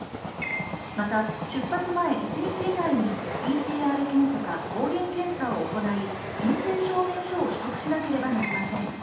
また出発前１日以内にＰＣＲ検査か抗原検査を行い、陰性証明書を取得しなければなりません。